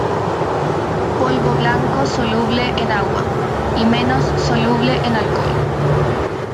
Polvo blanco soluble en agua, y menos soluble en alcohol.